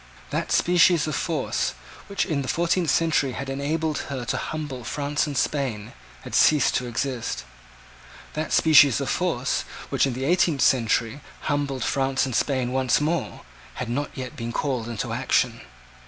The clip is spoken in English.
That species of force, which, in the fourteenth century had enabled her to humble France and Spain, had ceased to exist. That species of force, which, in the eighteenth century, humbled France and Spain once more, had not yet been called into action.